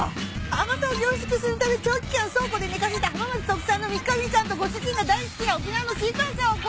甘さを凝縮するため長期間倉庫で寝かせた浜松特産の三ヶ日みかんとご主人が大好きな沖縄のシークァーサーをコラボさせたかき氷。